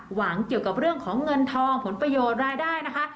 หวังเกี่ยวกับเรื่องของเงินทองผลประโยชน์รายได้นะคะ